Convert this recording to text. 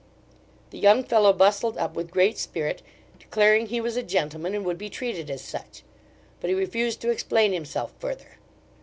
The young fellow bustled up with great spirit, declaring he was a gentleman, and would be treated as such; but he refused to explain himself further.